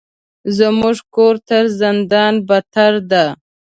زموږ کور تر زندان بدتر ده.